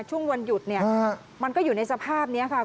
ช่วงวันหยุดเนี่ยมันก็อยู่ในสภาพนี้ค่ะ